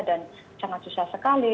dan sangat susah sekali